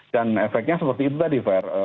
dan efeknya seperti itu tadi